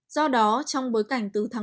do đó trong bối cảnh từ tháng một mươi